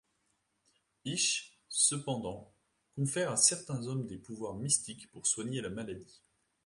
Hishe, cependant, confère à certains hommes des pouvoirs mystiques pour soigner la maladie.